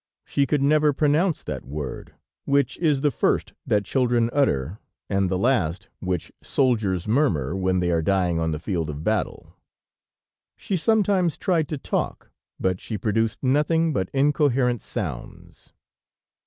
She could never pronounce that word, which is the first that children utter, and the last which soldiers murmur when they are dying on the field of battle. She sometimes tried to talk, but she produced nothing but incoherent sounds.